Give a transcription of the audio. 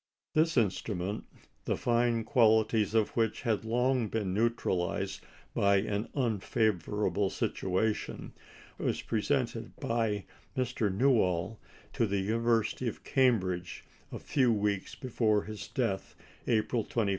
This instrument, the fine qualities of which had long been neutralized by an unfavourable situation, was presented by Mr. Newall to the University of Cambridge, a few weeks before his death, April 21, 1889.